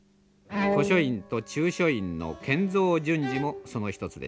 古書院と中書院の建造順次もその一つでした。